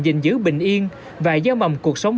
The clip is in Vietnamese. gìn giữ bình yên và gieo mầm cuộc sống